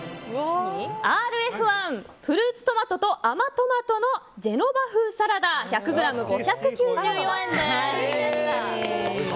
ＲＦ１、フルーツトマトと甘とまとのジェノバ風サラダ１００ｇ、５９４円です。